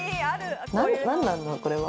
何なんだこれは？